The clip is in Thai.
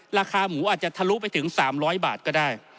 ราคาหมูอาจจะทะลุไปถึง๓๐๐บาทก็ได้